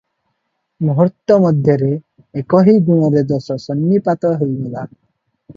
ମୁହୂର୍ତ୍ତ ମଧ୍ୟରେ 'ଏକୋହି ଗୁଣରେ ଦୋଷ ସନ୍ନିପାତ' ହୋଇଗଲା ।